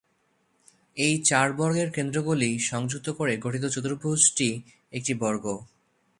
এই চার বর্গের কেন্দ্রগুলি সংযুক্ত করে গঠিত চতুর্ভুজটি একটি বর্গ।